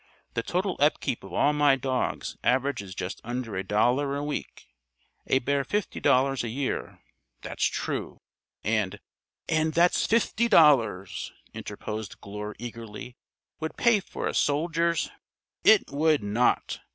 The total upkeep of all my dogs averages just under a dollar a week. A bare fifty dollars a year. That's true. And " "And that fifty dollars," interposed Glure eagerly, "would pay for a soldier's " "It would not!"